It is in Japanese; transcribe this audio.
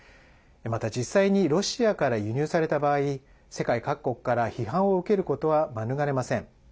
また、実際にロシアから輸入された場合世界各国から批判を受けることは免れません。